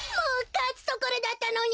かつところだったのに！